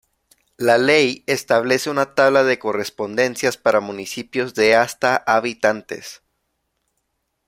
La ley establece una tabla de correspondencias para municipios de hasta habitantes.